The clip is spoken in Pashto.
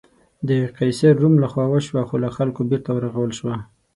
د قیصر روم له خوا وسوه خو له خلکو بېرته ورغول شوه.